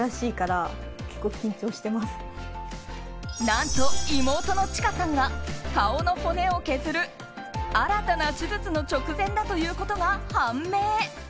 何と妹のちかさんが顔の骨を削る新たな手術の直前だということが判明。